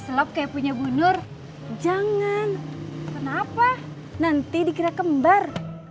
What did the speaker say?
sebab kayak punya bu nur jangan kenapa nanti dikira kembar